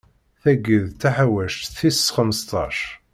Tayi d taḥawact tis xmesṭac.